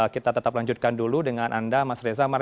kita tetap lanjutkan dulu dengan anda mas reza